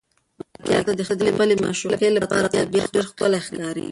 ملکیار ته د خپلې معشوقې لپاره طبیعت ډېر ښکلی ښکاري.